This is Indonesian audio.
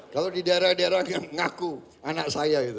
kalau di daerah daerah yang ngaku anak saya itu